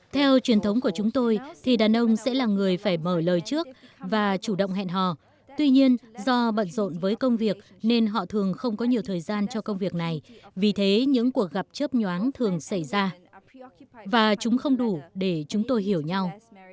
theo truyền thống của chúng tôi thì đàn ông sẽ là người phải mở lời trước và chủ động hẹn hò tuy nhiên do bận rộn với công việc nên họ thường không có nhiều thời gian cho công việc này vì thế những cuộc gặp chớp nhoáng thường xảy ra và chúng không đủ để chúng tôi hiểu nhau